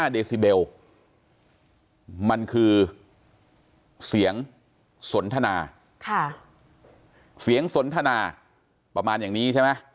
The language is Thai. เดซิเบลมันคือเสียงสนทนาเสียงสนทนาประมาณอย่างนี้ใช่ไหม